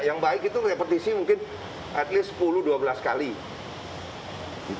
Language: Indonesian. yang baik itu repetisi mungkin at least sepuluh dua belas kali